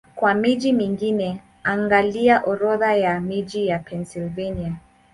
Kwa miji mingine, angalia Orodha ya miji ya Pennsylvania.